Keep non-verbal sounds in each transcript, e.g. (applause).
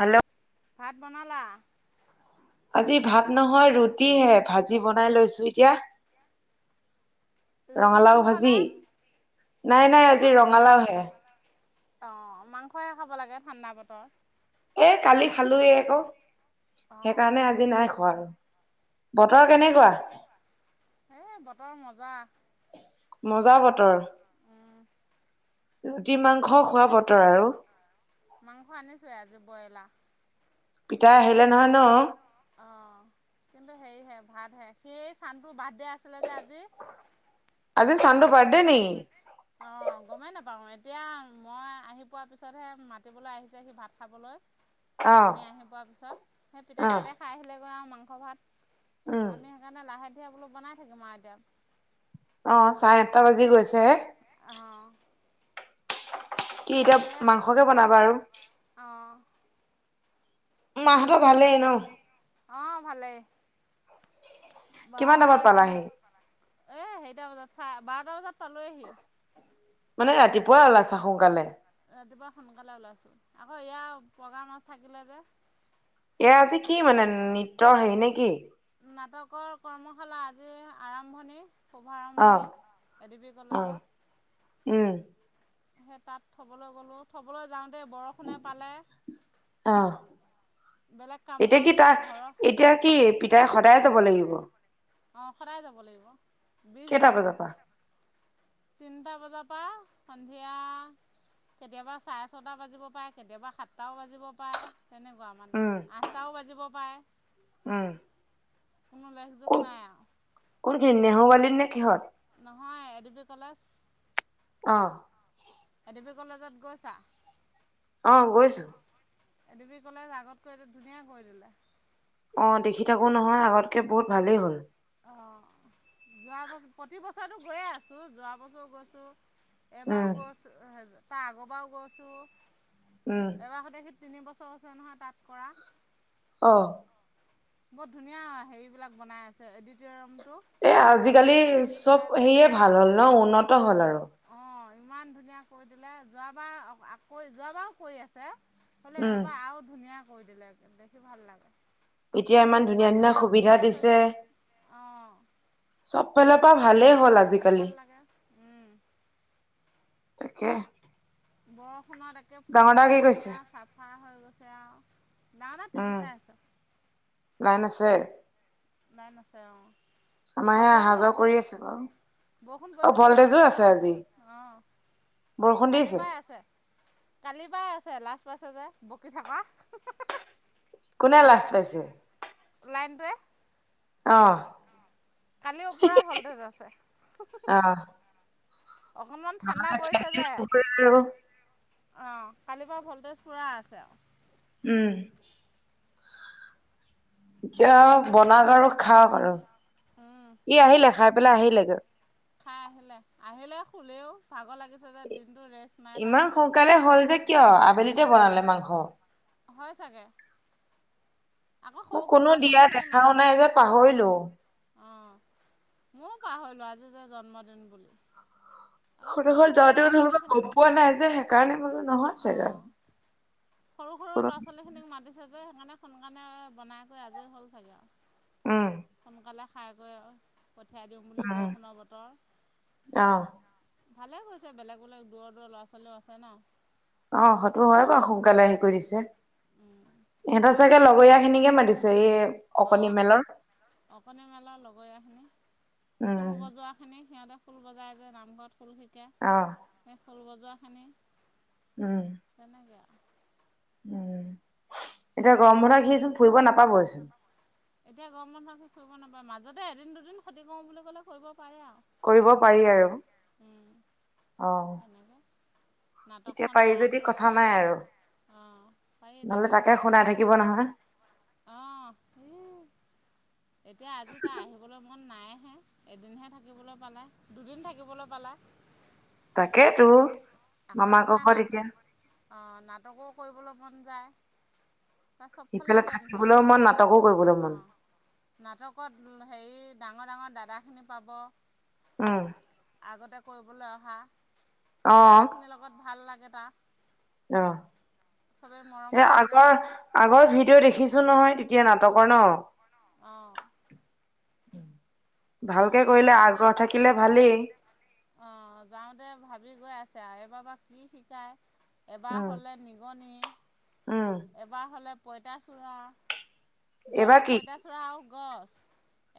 Hello ভাত বনালা আজি ভাত নহয় ৰুটি হে ভাজি বনাই লৈছো এতিয়া ৰুটি ৰঙালাও মাংস ভাজি নে নাই নাই আজি ৰঙালাও হে অ মাংসহে খাব লাগে ঠাণ্ডা বতৰ এ কালি খালোয়ে এক অঁ সেইকাৰণে আজি নাই খোৱা আৰু বতৰ অ কেনেকুৱা এই বতৰ মজা মজা বতৰ উম ৰুটি মাংস খোৱা বতৰ আৰু মাংস আনিছোৱে আজি ব্ৰইলা পিতাই আহিলে নহয় ন অ কিন্তু হেৰিহে ভাতহে সেই চানটো বাৰ্থডিয়া আছিলে যে আজি। আজি চান্দু বাৰ্থডে নি? অ গমেই নাপাওঁ এতিয়া মই আহি পোৱাৰ পিছতহে মাতিবলৈ আহিছে সি ভাত খাবলৈ (inaudible) আমি আহি পোৱাৰ পিছত সেই অ পিতাই তাতে খাই আহিলেগৈ আৰু মাংস ভাত। উম আমি সেইকাৰণে লাহে ধীৰে বোলো বনাই থাকিম আৰু এতিয়া। অ চাৰে আঠটা বাজি গৈছেহে। অহ। কি এতিয়া মাংসকে বনাবা আৰু। অ। মাহত দুধ ভালেই ন? অ ভালেই, বা কিমান টাইমত কেনে পালাহি এই সেইটা বজাত চা বাৰটা বজাত পালোৱেহি। মানে ৰাতিপুৱাই ওলাইছা সোনকালে। ৰাতিপুৱা সোনকালে ওলাইছোঁ। আকৌ ইয়াৰ প্ৰগ্ৰাম থাকিলে যে এয়া আজি কি মানে নৃত্যৰ হেৰি নে কি? নাটকৰ কৰ্মশালা আজি আৰম্ভণি অ', শুভাৰম্ভণি এ ডি বি অ', কলেজত। উম। সে তাত থ'বলৈ গলোঁ, থ'বলৈ যাওঁতে বৰষুণে পালে। অ। বেলেগ কামো এতিয়া কি আছিলে তাৰ ঘৰৰ এতিয়া কি পিতাই সদায় যাব লাগিব? অ সদায় যাব লাগিব বিছ কেইটা দিন। বজাৰ পৰা? তিনিটা বজাৰ পৰা সন্ধিয়া কেতিয়াবা চাৰে ছটা বাজিব পায় কেতিয়াবা সাতটাও বাজিব পায়। তেনেকুৱা মানে উম, আঠটাও বাজিব পায়। উম। কোনো লেখযোখ নাই আও। কোনখিনিত নেহুৱালিত নে কিহত? নহয় এ ডি বি কলেজ। অ। এডি পি কলেজত গৈছা? অ গৈছো। এ ডি বি কলেজ আগতকৈ ধুনীয়া কৰি দিলে। অ দেখি থাকো নহয় আগতকে বহুত ভালেই হ'ল। অ যোৱা বছৰ প্ৰতি বছৰে গৈয়ে আছো যোৱা বছৰো গৈছো। এবাৰো উম, গৈছো তাৰ আগৰবাৰো গৈছো। উম। এবাৰ সতে সেই তিনি বছৰ আছে নহয় তাত কৰা। অ। বৰ ধুনীয়া হেৰিবিলাক বনাই আছে এডিটৰিয়ামটো। এ আজিকালি নাটক চাটক চব শিকাই যে সেয়ে ভাল হ'ল ন উন্নত হ'ল আৰু। অ ইমান ধুনীয়া কৰি দিলে যোৱাবাৰ আকৌ যোৱাবাৰো কৰি আছে। হ'লে উম, এবাৰ আৰু ধুনীয়া কৰি দিলে, দেখি ভাল লাগ- অ এতিয়া ফুল ইমান চুল সোপা ধুনীয়া সুবিধা ফুলি আছে দিছে। যে, অ। চব ফালৰ ফুল পৰা খিনি ভালেই হ'ল ফুলি আছে আজিকালি। ভাল লাগে উম। তাকে। বৰষুণত এক কে ডাঙৰ দা ফুলসোবা কি কৰিছে? ধুনীয়া চাফা হৈ গৈছে আও ডাঙ ডাই টিভি উম, চাই আছে। লাইন আছে? নাই নাছে অ, আমাৰহে অহা ভল্টেজো যোৱা আছে কৰি বাৰু। বৰষুণ পৰিছে যে ভল্টেজো আছে অ, বৰষুণ কালিৰ দিছে। পাই আছে -কালিৰ পৰাই আছে লাজ পাইছে যে বকি থকা (unintelligible) কোনে লাজ পাইছে? লাইনটোৱে। অহ', কালিও পুৰা ভল্টেজ আছে (unintelligible) অ'। অকনমান ঠাণ্ডা নহ'লে পৰিছে যে ফেনখন নুঘূৰে আৰু। অ, কালিৰ পৰা ভল্টেজ পুৰা আছে আওঁ। উম। এতিয়া বনাওঁক আৰু খাওঁক আৰু উম ই আহিলে খাই পেলাই আহিলেগে। খাই আহিলে- আহিলে সুলেও ভাগৰ লাগিছে যে দিনটো ৰেষ্ট নাই তা ইমান আজি। সোনকালে হ'ল যে কিয় আবেলিতে বনালে মাংস? হয় চাগে? আকৌ মোক সৰু- সৰু কোনো ল'ৰা দিয়া -ছোৱালীখিনি দেখাও মাতিছে নাই যে। পাহৰিলো। অ, ময়ো পাহৰিলোঁ আজি যে জন্মদিন বুলি। আকৌ সৰু হয় যোৱাটো ল'ৰা নহা ছোৱালীখিনি গম পোৱা নাই যে সেইকাৰণে বোলো নহয় চাগে। অঁ। সৰু -সৰু ল'ৰা -ছোৱালীখিনিক মাতিছে যে সেইকাৰণে সোনকালে বনাই কৰি আজৰি হ'ল চাগে আও। উম, সোনকালে খাই কৰি অ, পঠিয়াই দিম বুলি উম, বৰষুণৰ বতৰ। অ'। ভালে কৰিছে বেলেগ - বেলেগ, দূৰৰ -দূৰৰ ল'ৰা -ছোৱালীও আছে না? অ, সেটো হয় বাৰু সোনকালে হেৰি কৰি দিছে। ইহেন্তৰ চাগে লগৰীয়াখিনিকে মাতিছে ইয়ে অ, অকনী মেলা লগৰীয়াখিনি ফুল উম বজোৱাখিনি সিহঁতে খোল বজায় যে নামঘৰত খোল শিকে। অহ', এ খোল বজোৱাখিনি উম, তেনেকে আ উম, এতিয়া গৰম লগৰখিনিও বন্ধ সিচোন মাতিলোঁ। ফুৰিব নাপাবইচোন? এতিয়া গৰম বন্ধ হে ফুৰিব নাপাই মাজতে এদিন, দুদিন ক্ষতি কৰোঁ বুলি ক'লে কৰিব পাৰে আওঁ। কৰিব পাৰি আৰু অ, মানে তেতিয়া নাটকখন পাৰি যদি আৰম্ভ কথা কৰাৰ নাই পিছত আৰু অ, পাৰি। নহ'লে তাকে শুনাই থাকিব নহয়। অহ, এ এতিয়া আজি তাৰ আহিবলৈ মন নাইহে এদিনহে থাকিবলৈ পালে দুদিন থাকিবলৈ পালা। তাকেতো মামাকৰ ঘৰত এতিয়া অ, নাটকো কৰিবলৈ মন যায়। তাৰ চবফালে সিফালে টেনচন থাকিবলৈও মন নাটকো কৰিবলৈ আওঁ অ, মন নাটকত হেই ডাঙৰ -ডাঙৰ দাদাখিনি পাব উম, আগতে কৰিবলৈ অহা অ সেই দাদাখিনিৰ লগত ভাল লাগে তাক। অ, এই যে আগৰ আগৰ ভিডিঅ' দেখিছোঁ নহয় তেতিয়া নাটকৰ ন'? অহ', (inaudible) ভালকে মানে কৰিলে আগ্ৰহ থাকিলে ভালিই। অ, যাওঁতে ভাবি গৈ আছে আওঁ এইবাৰ বা কি শিকায়? এবাৰ উম হ'লে নিগনি উম, এবাৰ হ'লে পঁইতাচোড়া এইবাৰ যোৱাবাৰ কি পঁইতাচোড়া আৰু গছ।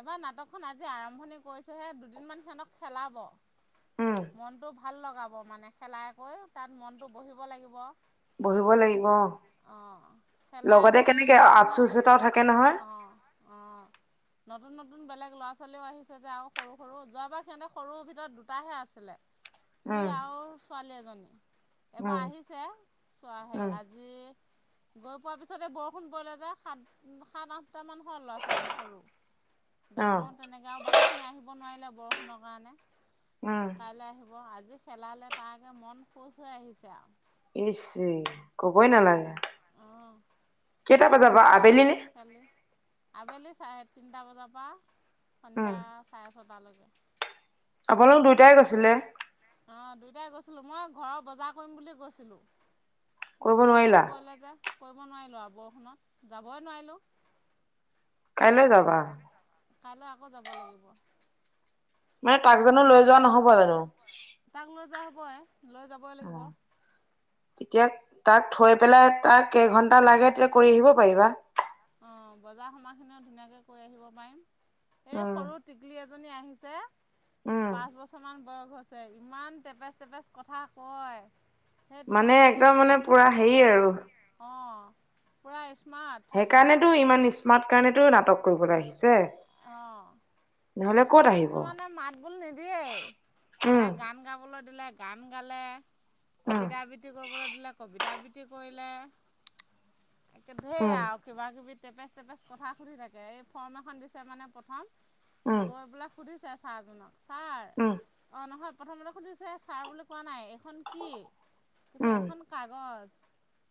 এবাৰ নাটকখন আজি আৰম্ভণি কৰিছোঁহে, দুদিনমান সিহঁতক খেলাব। উম মনটো ভাল লগাব মানে খেলাই কৰি তাত মনটো বহিব লাগিব। বহিব লাগিব অ খেলাই আকৌ দুদিনমান জোতাও থাকে নহয়? অঁ অঁ। নতুন - নতুন বেলেগ ল'ৰা - ছোৱালীও আহিছে যে আৰু সৰু - সৰু যোৱাবাৰ সিহঁতে সৰু ভিতৰত দুটাহে আছিলে। (inaudible) সি আৰু ছোৱালী এজনী, এবাৰ উম আহিছে যোৱা সেই উম আ আজি গৈ পোৱাৰ পিছতে বৰষুণ পৰিলে যে সাত -সাত, আঠ টা মান হল ল'ৰা - ছোৱালী সৰু, অ ডাঙৰ তেনেক গাঁও বাকীখিনি আহিব নোৱাৰিলে বৰষুণৰ কাৰণে উম কাইলৈ আহিব আজি খেলালে তাক মন খোচ হৈ আহিছে আৰু। ইচ ই কবই নালাগে। অ, কেইটা ইমান বজাবা ধুনীয়া আবেলি লাগিলে নে খালি আবেলি চাৰে তিনিটা বজাৰ পৰা উম সন্ধিয়া চাৰে ছটালৈকে। আপোনালোক দুইটাই গৈছিলে। অ দুইটাই গৈছিলো, মই ঘৰৰ বজাৰ কৰিম বুলি গৈছিলো। কিন্তু কৰিব বৰষুণ নোৱাৰিলা পৰিলে যে কৰিব নোৱাৰিলোঁ আৰু বৰষুণত যাবই নোৱাৰিলোঁ। কাইলৈ যাবা? কাইলৈ আকৌ যাব লাগিব। মানে তাক জানো লৈ যোৱা নহ'ব জানো? তাক লৈ যোৱা হ'বই লৈ যাবই অ লাগিব। তেতিয়া তাক থৈ পেলাই তাক কেইঘন্টা লাগে তেতিয়া কৰি আহিব পাৰিবা? অঁ বজাৰ সময়খিনিও ধুনীয়াকৈ কৈ আহিব পাৰিম এই উম সৰুত টিকলি এজনী আহিছে উম পাঁচ বছৰমান বয়স হৈছে। ইমান টেপেচ - টেপেচ কথা কয় সেই মানে টিকলিজনী একদম কথা মানে পুৰা হেৰি আৰু অঁ পুৰা স্মাৰ্ট। সেই ছোৱালীজনী কাৰণেতো ইমান স্মাৰ্ট কাৰণেটো নাটক কৰিবলৈ আহিছে। অঁ। নহ'লে ক'ত আহিব? যাবলৈ নিদিয়েই, উম তাই গান গাবলৈ দিলে গান গালে, উম কবিতা আবৃ বৃত্তি কৰিবলৈ দিলে কবিতা আবৃত্তি কৰিলে, একে ধেৰ উম আৱ কিবা - কিবি টেপেচ - টেপেচ কথা সুধি থাকে এই ফৰ্ম এখন দিছে মানে প্ৰথম উম গৈ পেলাই সুধিছে ছাৰজনক, ছাৰ উম অঁ ন'হয় প্ৰথমতে সুধিছে ছাৰ বুলি কোৱা নাই এইখন কি? পিছে উম এখন কাগজ,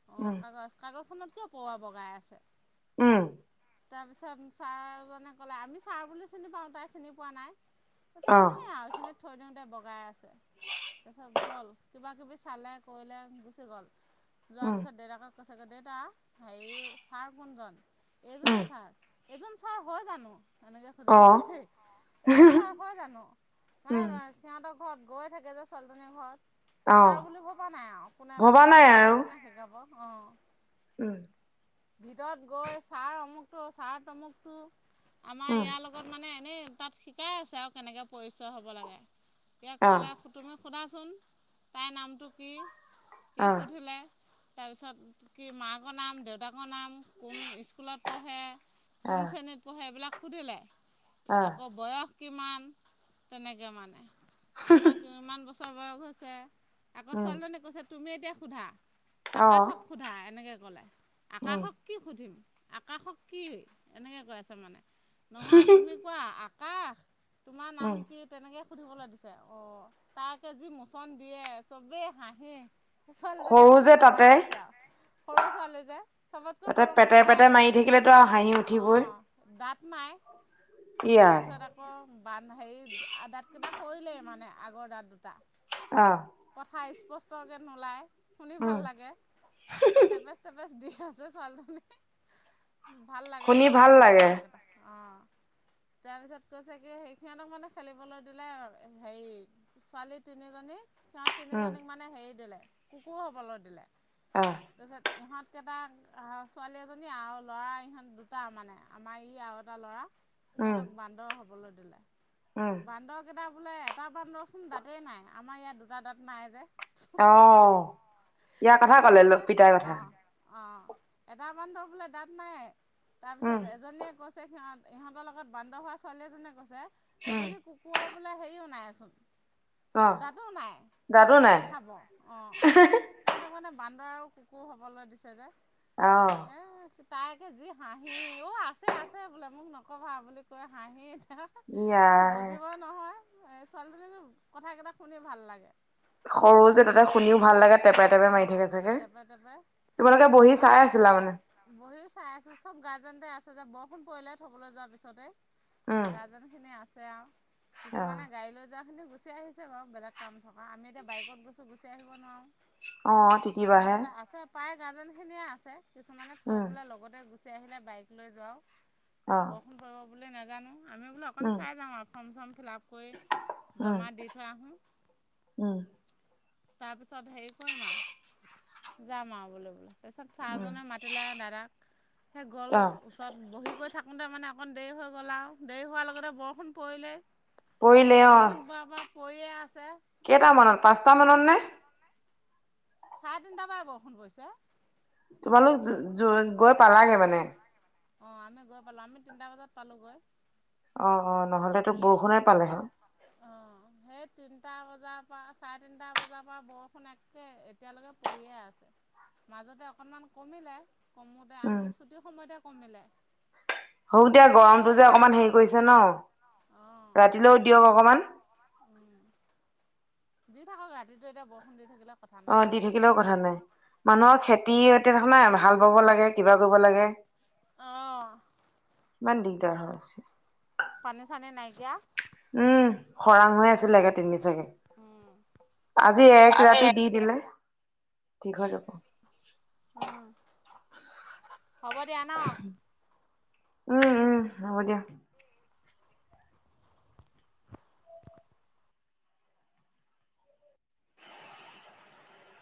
অ উম কাগজ কাগজখনত কিয় পৰুৱা বগাই আছে? উম। তাৰপিছত ছাৰজনে ক'লে আমি ছাৰ বুলি চিনি পাওঁ তাই চিনি পোৱা নাই। তাৰপিছত আহ এনেই আৰু এইখিনিত থৈ দিওঁতে বগাই আছে। তাৰপিছত গ'ল কিবা - কিবি চালে, কৰিলে গুচি গ'ল। যোৱাৰ উম পিছত দেউতাকক কৈছেগৈ দেউতা হেৰি ছাৰ কোনজন? উম এইজনে ছাৰ। এইজন ছাৰ হয় জানো তেনেকে সুধিছে আহ দেই এইজন ছাৰ হয় জানো মানে উম সিহঁতৰ ঘৰত গৈয়ে থাকে যে ছোৱালীজনীৰ ঘৰত আহ ছাৰ বুলি ভবা নাই আৱ কোনে ভবা নাটক নাই শিকাব আৰু এইজনে শিকাব অ। উম। ভিতৰত গৈ ছাৰ অমুকটো ছাৰ তমুকটো আমাৰ উম ইয়াৰ লগত মানে এনেই তাত শিকাই আছে আৰু কেনেকৈ পৰিচয় হ'ব লাগে, ইয়াক আহ ক'লে তুমি সোধাচোন তাইৰ নামটো কি? সি আহ সুধিলে তাৰপিছত কি মাকৰ নাম, দেউতাকৰ নাম উম কোন স্কুলত পঢ়ে কোন আহ শ্ৰেণীত পঢ়ে এইবিলাক সুধিলে আহ আকৌ বয়স কিমান, তেনেকে মানে, তোমাৰ কিমান বছৰ বয়স হৈছে। আকৌ উম ছোৱালজনী কৈছে তুমি এতিয়া সোধা, আহ আকাশক সোধা এনেকে ক'লে, উম আকাশক কি সুধিম, আকাশক কি, এনেকৈ কৈ আছে মানে নহয় তুমি কোৱা আ আকাশ, তোমাৰ নাম উম কি? তেনেকে সুধিবলৈ দিছে অ, তাকে যি মোচন দিয়ে, চবেই হাঁহে। ছোৱালীজনীয়ে সৰু মানে যে জমাই তাতে আছে আৰু, সৰু ছোৱালী যে। চবতকৈ তাতে সৰু মানে পেটে পেটে তাই, মাৰি পেটেৰ পেটেৰ থাকিলেতো মাৰি আৰু হাঁহি থাকে ন' উঠিবই অ, দাঁত নাই। ত' ইয়াই তাৰপিছতে আকৌ বান্ধ হেৰি দাঁতকেইটা সৰিলেই মানে আগৰ দাঁত দুটা। অ', কথা স্পষ্টকৈ নোলাই শুনি ভাল উম লাগে। তাকে টেপেচ টেপেচ দি আছে ছোৱালীজনী, ভাল লাগে শুনি ভাল ছোৱালীজনীৰ লাগে কথা কেইটা। অ', তাৰপিছত কৈছে কি সেই সিহঁতক মানে খেলিবলৈ দিলে আৰু হেৰি ছোৱালী তিনিজনী সিহঁত উম তিনিজনীক মানে হেৰি দিলে, কুকুৰ হ'বলৈ দিলে, আহ তাৰপিছত ইহঁত কেইটাক আৰু ছোৱালী এজনী আৰু ল'ৰা ইহঁত দুটা মানে আমাৰ ই আৰু এটা ল'ৰা। উম সিহঁতক বান্দৰ হ'বলৈ দিলে, উম বান বান্দৰকেইটা বোলে এটা বান্দৰচোন দাঁতেই নাই আমাৰ ইয়াৰ দুটা দাঁত নাই যে। অ', ইয়াৰ কথা ক'লে পিতাইৰ কথা। অ', এটা বান্দৰ বোলে দাঁত নাই, উম তাৰপিছত এজনীয়ে কৈছ সিহঁত ইহঁতৰ লগত বান্দ হোৱা ছোৱালী এজনে কৈছে, উম এজনী কুকুৰৰ বোলে হেৰি নাইয়েচোন, অ দাতো নাই। দাদু নাই কেনেকে খাব অ, সিহঁতক মানে বান্দৰ আৰু কুকুৰ হবলৈ দিছে যে। অ', এ, তাইকে যি হাঁহি অ, আছে আছে বোলে মোক নক'বা বুলি কয় হাঁহি (unintelligible) মোৰ ইয়াই গজিব ন'হয় এহ ছোৱালীজনীৰো কথাকেইটা শুনি ভাল লাগে। সৰু যে। তাতে শুনিও ভাল লাগে টেপেৰ টেপেৰ মাৰি অঁ থাকে চাগে, টেপে টেপে তোমালোকে বহি মানে চাই আছিলা মানে? বহি চাই আছো চব গাৰ্জেনতে আছে যে বৰষুণ পৰিলে থবলৈ যোৱাৰ পিছতে। উম গাৰ্জেন খিনি আছে আৰু, আহ কিছুমানে গাড়ী লৈ যোৱাখিনি গুচি আহিছে বাৰু বেলেগ কাম আমি এতিয়া বাইকত গৈছোঁ গুচি আহিব নোৱাৰোঁ, অ তিতিবাহে বহিবলে আছে। প্ৰায় গাৰ্জেনখিনিয়ে আছে কিছুমানে থৈ উম বোলে লগতে গুচি আহিলে বাইক লৈ যাওঁ। অ বৰষুণ পৰিব বুলি নাজানো আমি বোলো অকণ উম চাই যাওঁ আৰু ফৰ্ম চৰ্ম ফিললাপ কৰি, উম জমা দি থৈ আহোঁ। উম, তাৰপিছত হেৰি কৰিম আৰ, যাম আৰু বোলো। তাৰপিছত উম ছাৰজনে মাতিলে দাদাক, সেই অ গলোঁ। (unintelligible) বহি কৰি থাকোঁতে মানে অকণ দেৰি হৈ গ'ল আউ দেৰি হোৱাৰ লগতে বৰষুণ পৰিলেই। পৰিলে অ বৰষুণ পৰাৰ পৰা পৰিয়ে আছে। কেইটামানত, পাঁচটা মানত নে? চাৰে তিটাৰ পৰা বৰষুণ পৰিছে। তোমালোক, গৈ পালাগে মানে? অ', আমি গৈ পালোঁ আমি তিনটা বজাত পালোঁ গৈ। অ, হয়, নহ'লেতো বৰষুণে পালে হয়। অঁ (unintelligible) সেই তিনিটা বজাৰ পৰা চাৰে তিনিটা বজাৰ পৰা বৰষুণ একে এতিয়ালৈকে পৰিয়ে আছে। মাজতে অকণমান কমিলে, কমোতে উম আমি ছুটিৰ সময়তে কমিলে। হওক দিয়া সিঁচিচকে পৰি গৰমটো যে আছে অকণমান হেৰি কৰিছে ন', ৰাতিলৈও দিয়ক অকণমান। অকমণ উম, দি থাকক ৰাতিটো এতিয়া বৰষণ দি থাকিলে। কথা অ নাই আৰু দি থাকিলেও কথা নাই মানুহৰ উম খেতিঅতে দেখা নাই ভাল পাব লাগে কিবা কৰিব লাগে। অঁহ। ইমান দিগদাৰ হৈ হৈছে। পানী চানী নাইকিয়া। উম খৰাং হৈ আছিল আগে তিনি চাগে উম আজি এক আজি ৰাতি দি দিলে ঠিক হৈ যাব। অ'হ। উ'ম, উম হ'ব দিয়া।